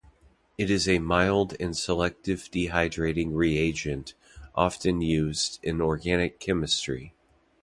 It is a mild and selective dehydrating reagent often used in organic chemistry.